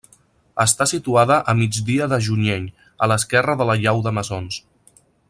Està situada a migdia de Junyent, a l'esquerra de la Llau de Mesons.